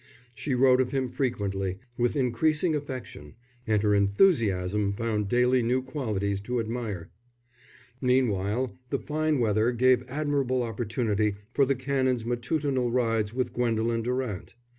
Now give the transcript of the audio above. She wrote of him freely, with increasing affection, and her enthusiasm found daily new qualities to admire. Meanwhile the fine weather gave admirable opportunity for the Canon's matutinal rides with Gwendolen Durant.